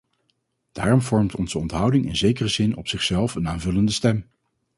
Daarom vormt onze onthouding in zekere zin op zichzelf een aanvullende stem.